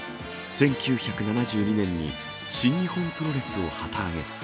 １９７２年に新日本プロレスを旗揚げ。